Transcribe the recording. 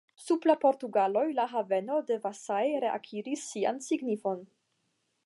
Sub la portugaloj la haveno de Vasai reakiris sian signifon.